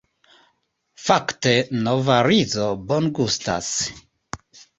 Fakte nova rizo bongustas.